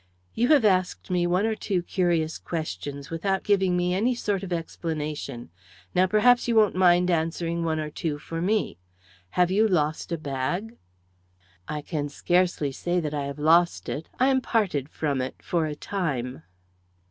"You have asked me one or two curious questions, without giving me any sort of explanation; now perhaps you won't mind answering one or two for me. Have you lost a bag?" "I can scarcely say that I have lost it. I am parted from it for a time."